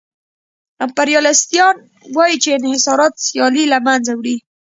امپریالیستان وايي چې انحصارات سیالي له منځه وړي